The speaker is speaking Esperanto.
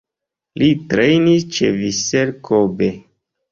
Li trejnis ĉe Vissel Kobe.